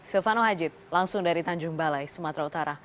silvano hajid langsung dari tanjung balai sumatera utara